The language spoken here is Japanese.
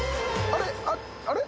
あっあれ？